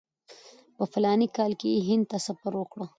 په فلاني کال کې یې هند ته سفر وکړ.